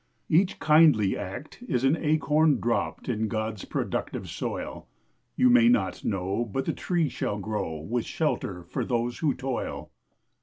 Each kindly act is an acorn dropped In God's productive soil. You may not know, but the tree shall grow, With shelter for those who toil.